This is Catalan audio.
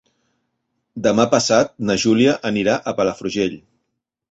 Demà passat na Júlia anirà a Palafrugell.